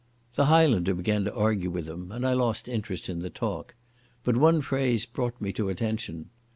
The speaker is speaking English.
The Highlander began to argue with him, and I lost interest in the talk. But one phrase brought me to attention.